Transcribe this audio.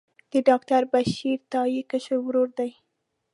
د ډاکټر بشیر تائي کشر ورور دی.